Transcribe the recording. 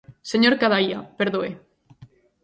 Señor Cadaía, perdoe.